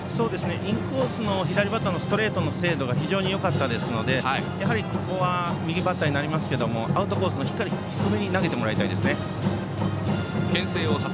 インコースの左バッターへのストレートの精度が非常によかったですので右バッターになりますがアウトコースの低めに投げてもらいたいですね。